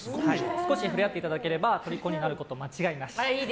少し触れ合っていただければとりこになること間違いなし。